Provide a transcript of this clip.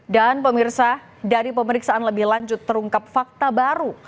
dan pemirsa dari pemeriksaan lebih lanjut terungkap fakta baru